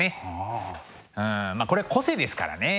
うんこれ個性ですからね。